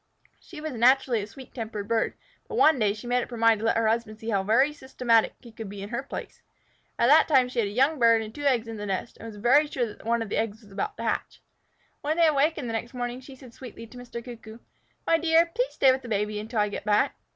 She was naturally a sweet tempered bird, but one day she made up her mind to let her husband see how systematic he could be in her place. At that time she had a young bird and two eggs in the nest, and was very sure that one of the eggs was about to hatch. When they awakened the next morning, she said sweetly to Mr. Cuckoo, "My dear, please stay with the baby until I get back."